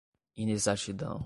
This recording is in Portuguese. inexatidão